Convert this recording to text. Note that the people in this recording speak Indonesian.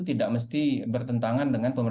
tidak mesti bertentangan dengan